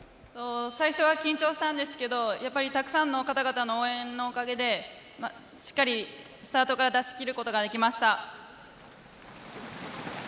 最初は緊張したんですけどたくさんの方々の応援のおかげでしっかりスタートから出し切ることができました。